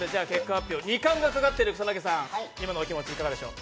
２冠がかかってる草薙さん、今のお気持ちはいかがでしょう。